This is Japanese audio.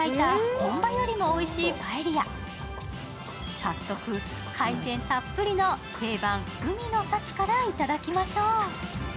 早速、海鮮たっぷりの定番海の幸からいただきましょう。